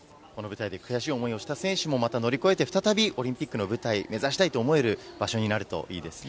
この舞台で悔しい思いをした選手もまた乗り越えて、再びオリンピックの舞台、目指したいと思はい。